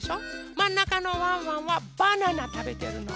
まんなかのワンワンはバナナたべてるの。